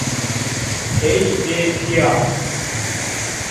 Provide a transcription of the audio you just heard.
Hey bê tîya